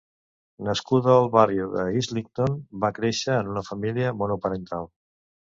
Nascuda al barri d'Islington, va créixer en una família monoparental.